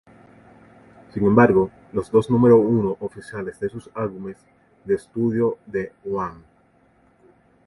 Sin embargo, los dos números uno oficiales de sus álbumes de estudio de Wham!